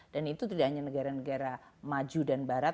dan itu tidak hanya negara negara maju dan barat